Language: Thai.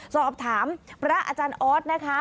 สอบถามพระอาจารย์ออสนะคะ